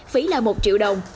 phí là một triệu đồng